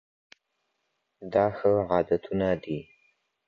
دا ښه عادتونه دي.